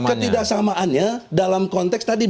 ketidaksamaannya dalam konteks tadi